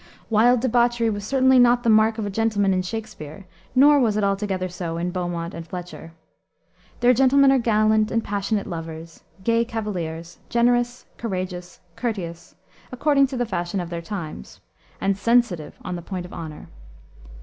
Wild debauchery was certainly not the mark of a gentleman in Shakspere, nor was it altogether so in Beaumont and Fletcher. Their gentlemen are gallant and passionate lovers, gay cavaliers, generous, courageous, courteous according to the fashion of their times and sensitive on the point of honor.